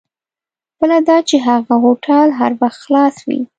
بله دا چې هغه هوټل هر وخت خلاص وي.